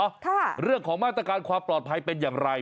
ค่ะเรื่องของมาตรการความปลอดภัยเป็นอย่างไร